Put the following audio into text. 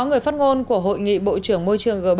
người phát ngôn của hội nghị bộ trưởng môi trường g bảy